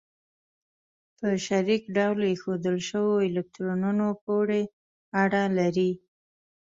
په شریک ډول ایښودل شوو الکترونونو پورې اړه لري.